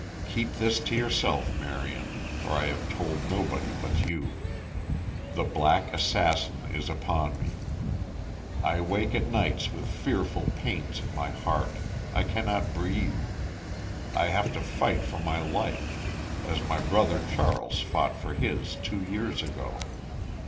"Keep this to yourself, Marion, for I have told nobody but you. The black assassin is upon me. I wake at nights with fearful pains at my heart I cannot breathe. I have to fight for my life, as my brother Charles fought for his two years ago.